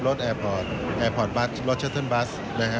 รถแอร์พอร์ตแอร์พอร์ตบัสรถช็อตเทินบัส